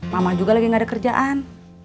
mama juga lagi gak ada kerjaan